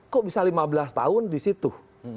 kok bisa lima belas tahun di situ